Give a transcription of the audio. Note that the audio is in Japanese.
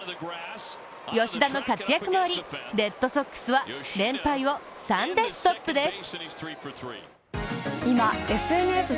吉田の活躍もありレッドソックスは連敗を３でストップです。